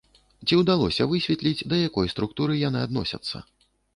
Ці ўдалося высветліць, да якой структуры яны адносяцца?